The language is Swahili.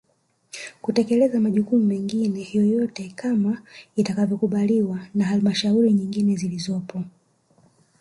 Kutekeleza majukumu mengine yoyote kama itakavyokubalika na Halmashauri nyingine zilizopo